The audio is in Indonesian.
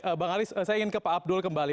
oke bang aris saya ingin ke pak abdul kembali